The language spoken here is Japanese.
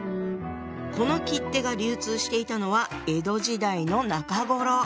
この切手が流通していたのは江戸時代の中頃。